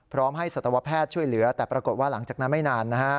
พร้อมให้สัตวแพทย์ช่วยเหลือแต่ปรากฏว่าหลังจากนั้นไม่นานนะฮะ